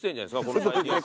ここ最近。